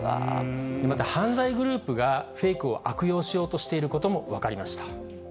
また犯罪グループがフェイクを悪用しようとしていることも分かりました。